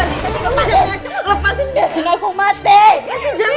lebih baik aku hidup rik